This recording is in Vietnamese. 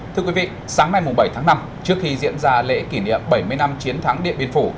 thưa quý vị sáng nay bảy tháng năm trước khi diễn ra lễ kỷ niệm bảy mươi năm chiến thắng điện biên phủ